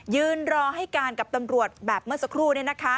ยืนรอให้การกับตำรวจแบบเมื่อสักครู่